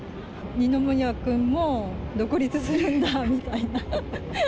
二宮君も、独立するんだーみたいな。